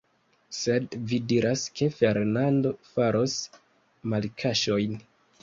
Sed vi diras, ke Fernando faros malkaŝojn.